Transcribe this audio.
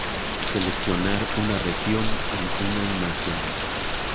Seleccionar una región en una imagen.